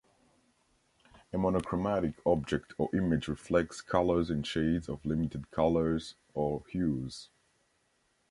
A monochromatic object or image reflects colors in shades of limited colors or hues.